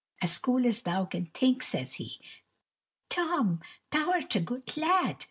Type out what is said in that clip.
as cool as thou can think, says he, "Tom, thou 'rt a good lad!"